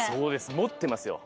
持ってます？